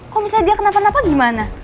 kok misalnya dia kenapa kenapa napa gimana